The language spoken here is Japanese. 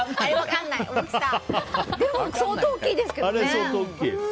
でも相当大きいですけどね。